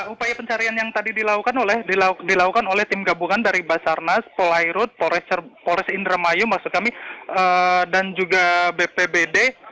upaya pencarian yang tadi dilakukan oleh tim gabungan dari basarnas polairut polres indramayu maksud kami dan juga bpbd